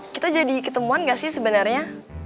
kita jadi ketemuan gak sih sebenarnya